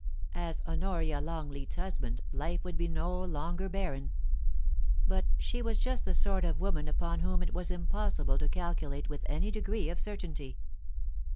As Honoria Longleat's husband, life would be no longer barren. But she was just the sort of woman upon whom it was impossible to calculate with any degree of certainty.